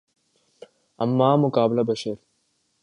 اماں بمقابلہ بشر